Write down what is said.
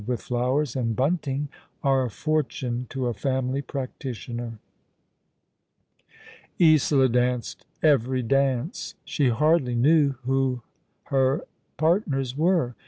itli Cowers and bunting, are a fortune to a family practitioner." Isola danced every dance. She hardly kncv^ who her partners were.